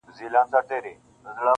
خو نتيجه نه راځي هېڅکله,